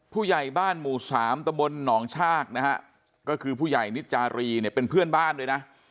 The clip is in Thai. ผู้ใหญ่บ้านหมู่สามตะบลหนองชากนะฮะก็คือผู้ใหญ่นิจารีเนี่ยเป็นเพื่อนบ้านด้วยนะ